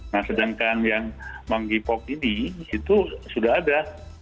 nah sedangkan yang menggipok ini itu sudah ada